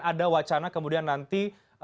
ada wacana kemudian nanti